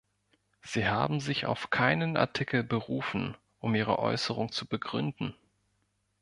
Sie haben sich auf keinen Artikel berufen, um Ihre Äußerung zu begründen.